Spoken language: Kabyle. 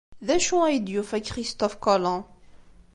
D acu ay d-yufa Christophe Colomb?